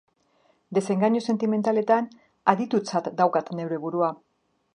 Desengainu sentimentaletan aditutzat daukat neure burua.